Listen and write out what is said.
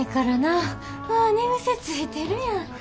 あ寝癖ついてるやん。